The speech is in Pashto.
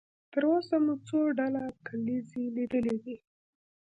تر اوسه مو څو ډوله کلیزې لیدلې دي؟